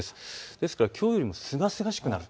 ですからきょうよりもすがすがしくなる。